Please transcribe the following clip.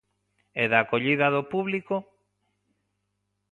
E da acollida do público?